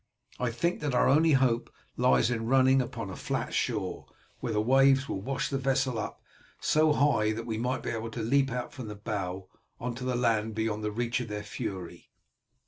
I think that our only hope lies in running upon a flat shore, where the waves will wash the vessel up so high that we may be able to leap out from the bow on to the land beyond the reach of their fury."